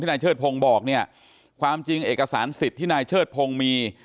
นายเชิดพงศ์บอกเนี่ยความจริงเอกสารสิทธิ์ที่นายเชิดพงศ์มี